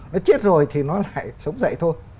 nó chết rồi thì nó lại sống dậy thôi